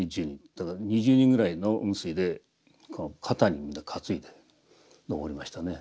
だから２０人ぐらいの雲水で肩にみんな担いで上りましたね。